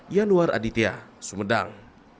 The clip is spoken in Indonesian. yanwar aditya sumedang